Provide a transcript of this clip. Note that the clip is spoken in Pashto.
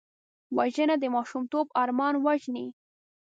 وژنه د ماشومتوب ارمان وژني